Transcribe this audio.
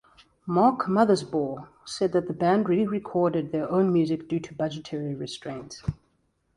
Mark Mothersbaugh said that the band re-recorded their own music due to budgetary restraints.